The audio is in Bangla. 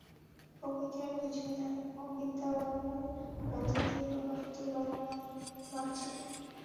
প্রকৃতি আর কিছুই নয়, অবিদ্যাবরণের মধ্য দিয়ে প্রকাশিত ব্রহ্মমাত্র।